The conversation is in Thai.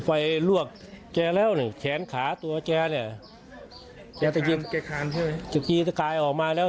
ไฟลวกแจแล้วนี่แขนขาตัวแจเนี่ยแจตะกายแจตะกายใช่ไหมตะกายออกมาแล้ว